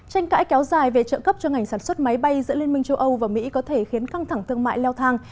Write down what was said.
tranh cãi kéo dài về trợ cấp cho ngành sản xuất máy bay giữa liên minh châu âu và mỹ có thể khiến căng thẳng thương mại leo thang